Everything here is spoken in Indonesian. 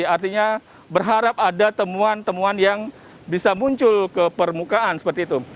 artinya berharap ada temuan temuan yang bisa muncul ke permukaan seperti itu